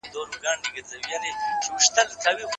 ادبي مواد باید د ټولو لپاره لاسرسي وي.